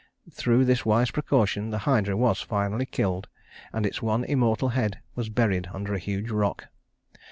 Through this wise precaution the Hydra was finally killed, and its one immortal head was buried under a huge rock.